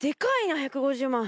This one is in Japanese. １５０万。